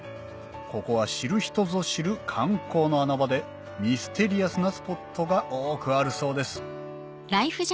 ここは知る人ぞ知る観光の穴場でミステリアスなスポットが多くあるそうです